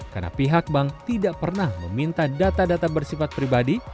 karena pihak bank tidak pernah meminta data data bersifat pribadi